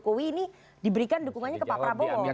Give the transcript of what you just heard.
pak jokowi ini diberikan dukungannya ke pak prabowo